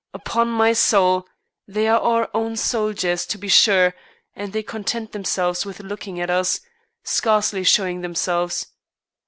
Upon my soul! they are our own soldiers to be sure, and they content themselves with looking at us, scarcely showing themselves.